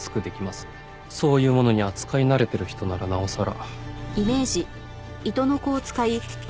そういうものに扱い慣れてる人ならなおさら。